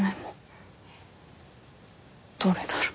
どれだろ。